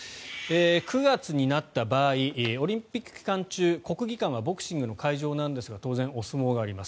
９月になった場合オリンピック期間中国技館はボクシングの会場になるんですが当然、お相撲があります。